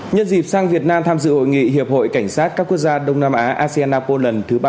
nhân dịp sang việt nam tham dự hội nghị hiệp hội cảnh sát các quốc gia đông nam á aseanapol lần thứ ba mươi chín